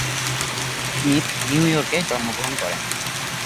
Smith New ইয়র্কে জন্মগ্রহণ করেন।